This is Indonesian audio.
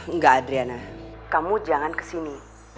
enggak adriana kamu jangan kesini